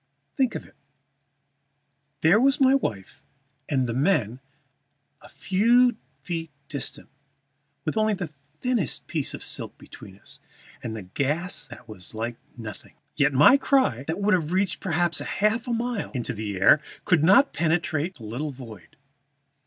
Think of it; there were my wife and the men a few feet distant, with only the thinnest tissue of silk between us, and a gas that was like nothing. Yet my cry, that would have reached perhaps half a mile in air, could not penetrate that little void.